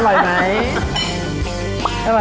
อร่อยไหมอร่อยไว้ซ้า